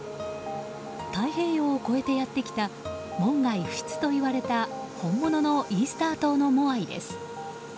太平洋を越えてやってきた門外不出といわれた本物のイースター島のモアイです。